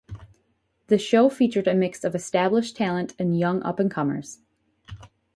The show featured a mix of established talent and young up-and-comers.